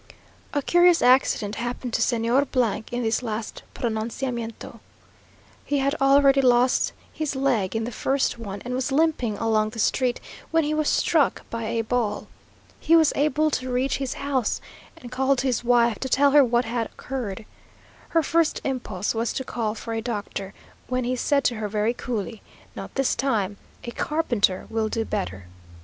A curious accident happened to Señor in this last pronunciamiento. He had already lost his leg in the first one; and was limping along the street, when he was struck by a ball. He was able to reach his house, and called to his wife, to tell her what had occurred. Her first impulse was to call for a doctor, when he said to her very coolly, "Not this time, a carpenter will do better."